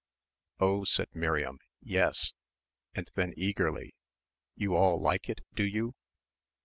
"Oh," said Miriam, "yes ..." and then eagerly, "you all like it, do you?"